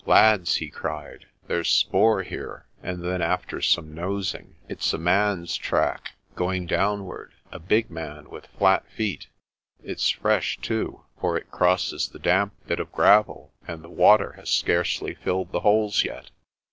"Lads," he cried, "there's spoor here;" and then after some nosing, "it's a man's track, going downward, a big man with flat feet. It's fresh, too, for it crosses the damp bit of gravel, and the water has scarcely filled the holes yet."